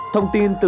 thông tin từ